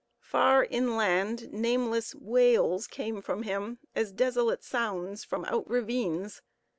Far inland, nameless wails came from him, as desolate sounds from out ravines.